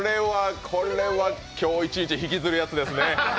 これは今日一日引きずるやつですね。